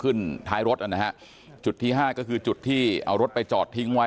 ท้ายรถนะฮะจุดที่ห้าก็คือจุดที่เอารถไปจอดทิ้งไว้